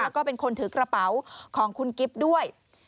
แล้วก็เป็นคนถือกระเป๋าของคุณกิ๊บด้วย